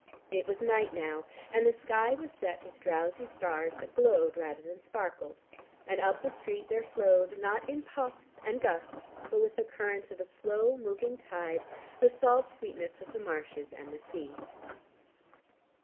It was night now, and the sky was set with drowsy stars that glowed rather than sparkled, and up the street there flowed, not in puffs and gusts, but with the current of a slow moving tide the salt sweetness of the marshes and the sea.